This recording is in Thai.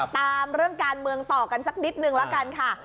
ตามเรื่องการเมืองต่อกันสักนิดนึงละกันค่ะ